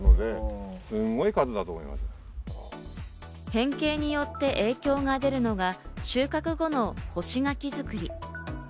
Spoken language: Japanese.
変形によって影響が出るのが収穫後の干し柿作り。